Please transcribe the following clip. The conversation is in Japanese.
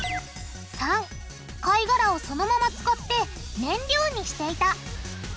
③貝がらをそのまま使って燃料にしていた。